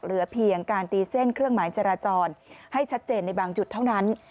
เหลือเพียงการตีเส้นเครื่องหมายจราจรให้ชัดเจนในบางจุดเท่านั้น